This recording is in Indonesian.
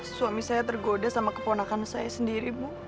suami saya tergoda sama keponakan saya sendiri bu